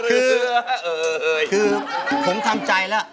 คือผมทำใจแล้ว